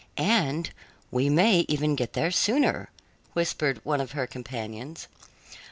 "And we may even get there sooner," whispered one of her companions.